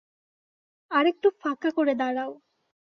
আরেকটু ফাঁকা করে দাঁড়াও।